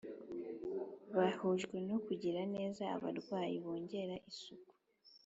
bahujwe no kugirira neza abarwayi bongera isuku